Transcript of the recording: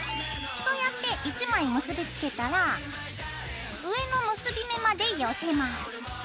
そうやって１枚結びつけたら上の結び目まで寄せます。